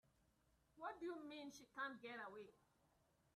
What do you mean she can't get away?